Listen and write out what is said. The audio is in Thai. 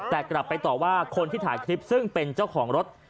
แต่กลับไปต่อว่าคนที่ถ่ายคลิปซึ่งเป็นเจ้าของรถ